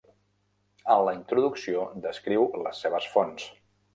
En la introducció descriu les seves fonts.